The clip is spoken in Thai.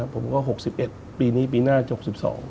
ผมก็๖๑ปีนี้ปีหน้าจบ๑๒